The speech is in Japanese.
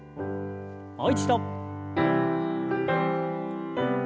もう一度。